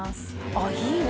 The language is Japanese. あっいいな。